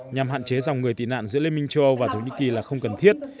nhằm hạn chế dòng người tị nạn giữa liên minh châu âu và thổ nhĩ kỳ là không cần thiết